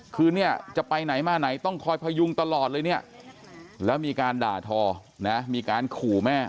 คือเนี่ยจะไปไหนมาไหนต้องคอยพยุงตลอดเลยเนี่ยแล้วมีการด่าทอนะมีการขู่แม่